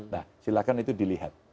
nah silahkan itu dilihat